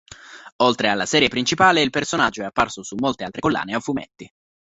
Oltre alla serie principale il personaggio è apparso su molte altre collane a fumetti.